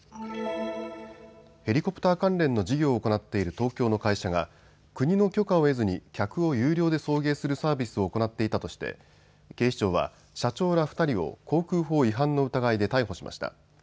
ヘリコプター関連の事業を行っている東京の会社が国の許可を得ずに客を有料で送迎するサービスを行っていたとして警視庁は社長ら２人を航空法違反の疑いで逮捕しました。